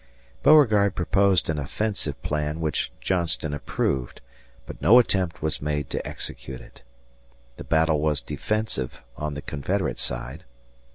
Beauregard proposed an offensive plan which Johnston approved, but no attempt was made to execute it. The battle was defensive on the Confederate side.